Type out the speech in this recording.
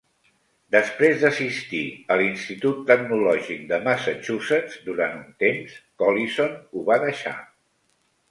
Després d'assistir a l'Institut Tecnològic de Massachusetts durant un temps, Collison ho va deixar.